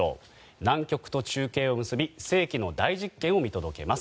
南極と中継を結び世紀の大実験を見届けます。